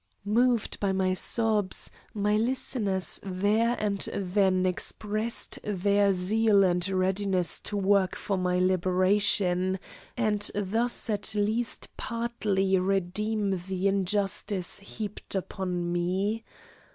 Moved by my sobs, my listeners there and then expressed their zeal and readiness to work for my liberation, and thus at least partly redeem the injustice heaped upon me.